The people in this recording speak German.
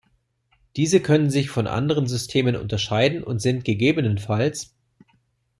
Diese können sich von anderen Systemen unterscheiden und sind ggf.